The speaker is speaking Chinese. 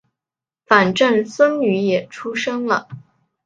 反正孙女也出生了